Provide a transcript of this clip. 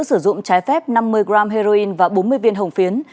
hành vi tàng trữ sử dụng trái phép năm mươi g heroin và bốn mươi viên hồng phiến